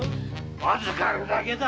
預るだけだ。